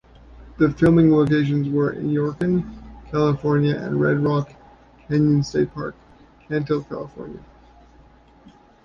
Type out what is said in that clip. The filming locations were Inyokern, California and Red Rock Canyon State Park, Cantil, California.